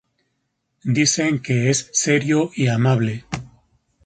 Dicen que es serio y amable.